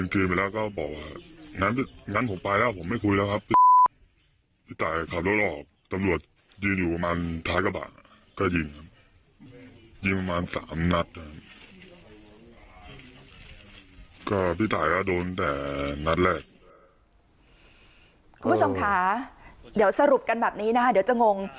คุณผู้ชมค่ะเดี๋ยวสรุปกันแบบนี้นะคะเดี๋ยวจะงง